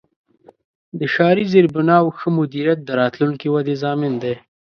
د ښاري زیربناوو ښه مدیریت د راتلونکې ودې ضامن دی.